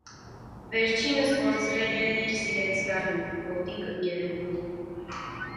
Վերջինս կորցրել էր իր սիրեցյալին, մոտիկ ընկերուհուն։